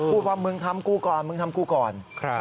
พูดว่ามึงทำกูก่อนมึงทำกูก่อน